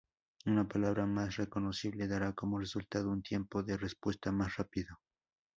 Una palabra más reconocible dará como resultado un tiempo de respuesta más rápido.